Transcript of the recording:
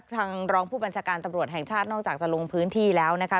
รองผู้บัญชาการตำรวจแห่งชาตินอกจากจะลงพื้นที่แล้วนะคะ